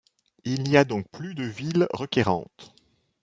Il n'y a donc plus de ville requérante.